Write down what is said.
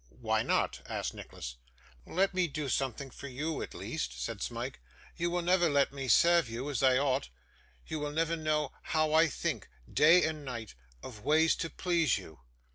'Why not?' asked Nicholas. 'Let me do something for you, at least,' said Smike. 'You will never let me serve you as I ought. You will never know how I think, day and night, of ways to please you.